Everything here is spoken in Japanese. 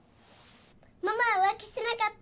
ママは浮気してなかった。